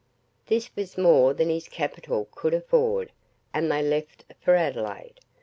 This was more than his capital could afford, and they left for Adelaide.